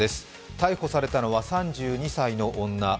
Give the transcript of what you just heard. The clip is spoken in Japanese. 逮捕されたのは３２歳の女。